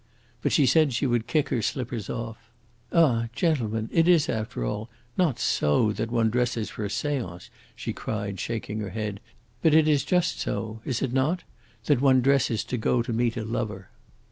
But she said she would kick her slippers off. Ah, gentlemen, it is, after all, not so that one dresses for a seance," she cried, shaking her head. "But it is just so is it not? that one dresses to go to meet a lover."